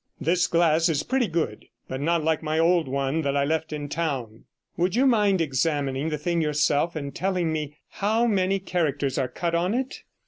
This glass is pretty good, but not like my old one that I left in town. Would you mind examining the thing yourself, and telling me how many characters are cut on it?'